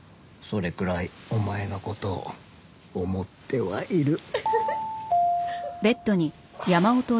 それくらいお前の事を思ってはいる。